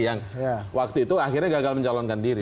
yang waktu itu akhirnya gagal mencalonkan diri